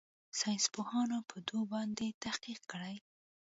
ساينسپوهانو په دو باندې تحقيق کړى.